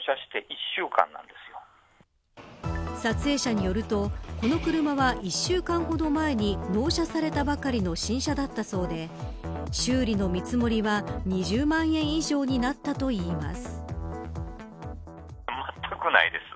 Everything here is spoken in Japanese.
撮影者によるとこの車は、１週間ほど前に納車されたばかりの新車だったそうで修理の見積もりは２０万円以上になったといいます。